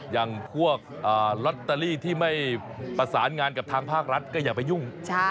อย่างพวกลอตเตอรี่ที่ไม่ประสานงานกับทางภาครัฐก็อย่าไปยุ่ง